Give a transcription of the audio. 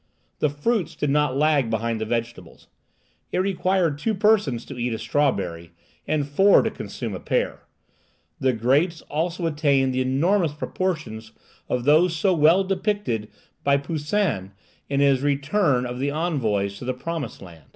The fruits did not lag behind the vegetables. It required two persons to eat a strawberry, and four to consume a pear. The grapes also attained the enormous proportions of those so well depicted by Poussin in his "Return of the Envoys to the Promised Land."